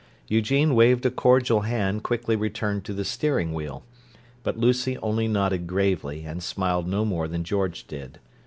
Eugene waved a cordial hand quickly returned to the steering wheel; but Lucy only nodded gravely and smiled no more than George did.